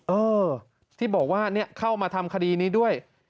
เออที่บอกว่าเข้ามาทำคดีนี้ด้วย